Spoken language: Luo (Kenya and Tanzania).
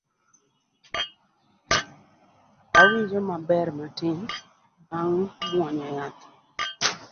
Awinjo maber matin bang' muonyo yath